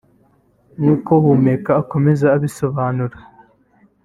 nk’uko Humeka akomeza abisobanura